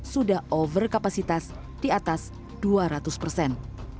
sudah overkapasitas di atas dua ratus persen